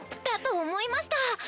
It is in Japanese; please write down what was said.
だと思いました！